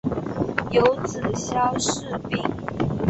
有子萧士赟。